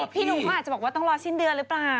พี่หนุ่มเขาอาจจะบอกว่าต้องรอสิ้นเดือนหรือเปล่า